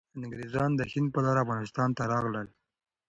انګریزان د هند په لاره افغانستان ته راغلل.